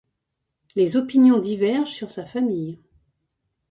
Les opinions divergent sur sa famille.